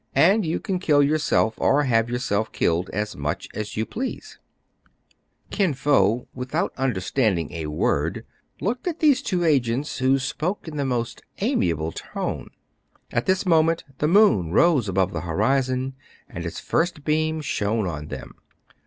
"And you can kill yourself" —" Or have yourself killed "— "As much as you please !" Kin Fo, without understanding a word, looked at these* two agents, who spoke in the most ami able tone. At this moment the moon rose above the horizon, and its first beam shone on them.